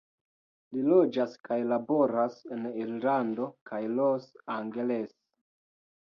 Li loĝas kaj laboras en Irlando kaj Los Angeles.